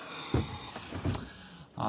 ああ。